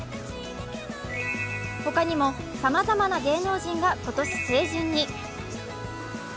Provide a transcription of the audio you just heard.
他にもさまざまな芸能人が今年成人に。